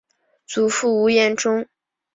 祖父吴彦忠。